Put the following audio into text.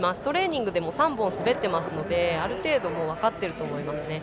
トレーニングでも３本滑ってますのである程度分かっていると思います。